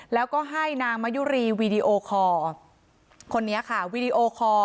แล้วก็ให้นางมะยุรีวีดีโอคอร์คนนี้ค่ะวีดีโอคอร์